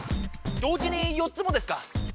同時に４つもですか？